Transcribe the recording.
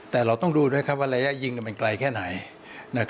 แต่เราต้องดูด้วยว่าระยะยิงมันไกลแค่ไหน